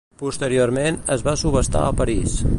Posteriorment, es va subhastar a París.